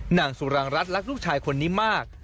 นางสุรางรัฐรักลูกชายคนนี้มาก